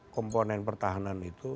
komponen pertahanan itu